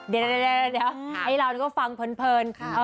เดี๋ยวเดี๋ยวให้เราก็ฟังเพลิน